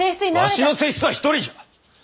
わしの正室は一人じゃ！